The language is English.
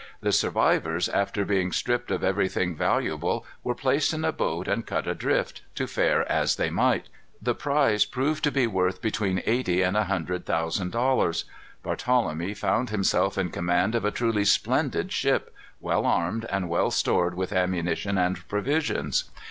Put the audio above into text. The survivors, after being stripped of everything valuable, were placed in a boat and cut adrift, to fare as they might. The prize proved to be worth between eighty and a hundred thousand dollars. Barthelemy found himself in command of a truly splendid ship, well armed, and well stored with ammunition and provisions.